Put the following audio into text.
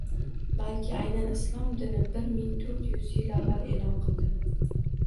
balki aynan Islom dini bir ming to'rt yuz yil avval e’lon qildi